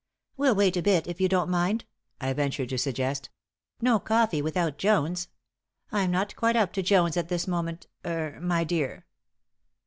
"We'll wait a bit, if you don't mind," I ventured to suggest. "No coffee without Jones. I'm not quite up to Jones at this moment er my dear."